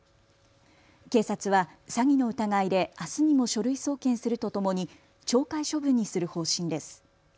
警察は詐欺の疑いであすにも書類送検するとともに懲戒処分にする方針です。